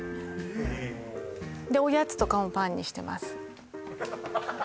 でおやつとかもパンにしてます